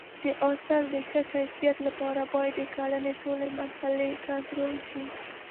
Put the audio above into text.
د حاصل د ښه کیفیت لپاره باید د کرنې ټولې مرحلې کنټرول شي.